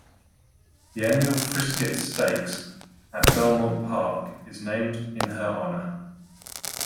The annual Frizette Stakes at Belmont Park is named in her honor.